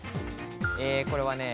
これはね